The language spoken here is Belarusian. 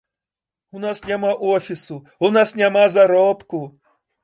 У нас няма офісу, у нас няма заробку.